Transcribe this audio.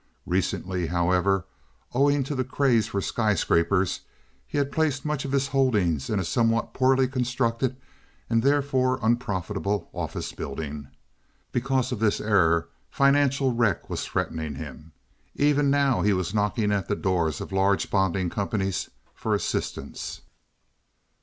Recently, however, owing to the craze for sky scrapers, he had placed much of his holdings in a somewhat poorly constructed and therefore unprofitable office building. Because of this error financial wreck was threatening him. Even now he was knocking at the doors of large bonding companies for assistance.